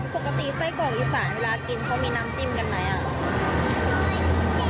ปกติไส้กรอกอีสานเวลากินเขามีน้ำจิ้มกันไหม